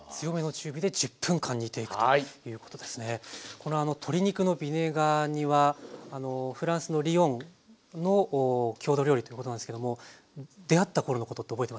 この鶏肉のビネガー煮はフランスのリヨンの郷土料理ということなんですけども出会った頃のことって覚えてますか？